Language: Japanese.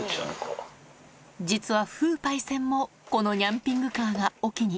実は風パイセンも、このニャンピングカーがお気に。